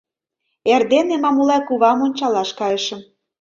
Эрдене Мамулай кувам ончалаш кайышым.